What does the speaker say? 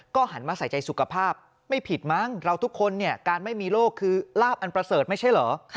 หันมาใส่ใจสุขภาพไม่ผิดมั้งเราทุกคนเนี่ยการไม่มีโรคคือลาบอันประเสริฐไม่ใช่เหรอ